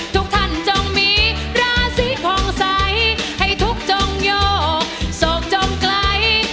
ทุกท่านจงมีราศีผ่องใสให้ทุกข์จงโยกโศกจงไกล